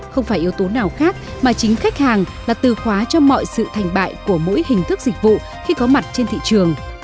không phải yếu tố nào khác mà chính khách hàng là từ khóa cho mọi sự thành bại của mỗi hình thức dịch vụ khi có mặt trên thị trường